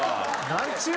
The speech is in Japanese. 何ちゅう